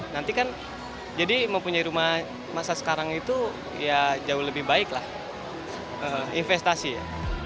nanti kan jadi mempunyai rumah masa sekarang itu ya jauh lebih baik lah investasi ya